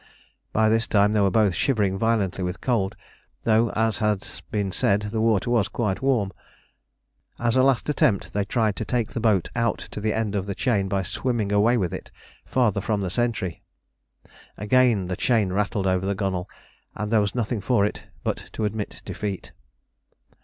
By this time they were both shivering violently with cold, though, as has been said, the water was quite warm. As a last attempt they tried to take the boat out to the end of the chain by swimming away with it farther from the sentry. Again the chain rattled over the gunwale, and there was nothing for it but to admit defeat.